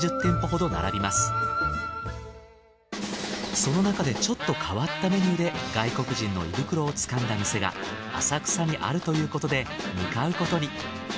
そのなかでちょっと変わったメニューで外国人の胃袋をつかんだ店が浅草にあるということで向かうことに。